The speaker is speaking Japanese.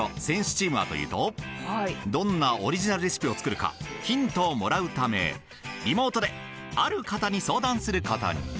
選手チームはというとどんなオリジナルレシピを作るかヒントをもらうためリモートである方に相談することに。